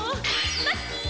ラッキー！